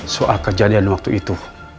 soal kejadian waktu itu